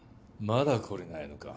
まだ懲りないのか？